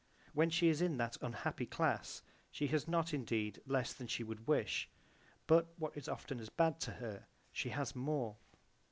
When she is in that unhappy class she has not indeed less than she would wish, but what is often as bad to her she has more.